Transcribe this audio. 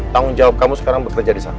tanggung jawab kamu sekarang bekerja disana